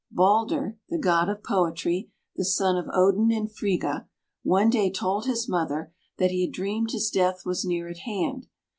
Balder, the god of poetry, the son of Odin and Friga, one day told his mother that he had dreamed his death was near at hand.